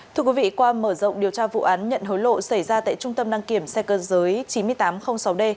thưa quý vị qua mở rộng điều tra vụ án nhận hối lộ xảy ra tại trung tâm đăng kiểm xe cơ giới chín nghìn tám trăm linh sáu d